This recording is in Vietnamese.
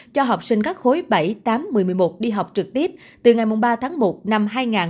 cho học sinh các khối bảy tám một mươi một đi học trực tiếp từ ngày ba tháng một năm hai nghìn hai mươi